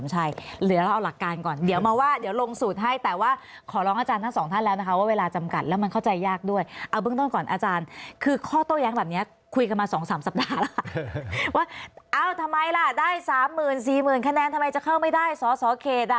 แล้วก็มีไปต่ำสุดก็คือภักดิ์ไทยรักฐรรม๓๓๐๐๐บาท